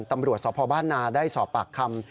ตำรวจสพนได้สอบปากคำ